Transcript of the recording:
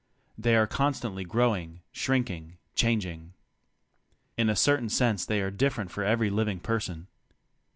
They are constantly growing, shrinking, changing. In a certain sense they are different for every living person.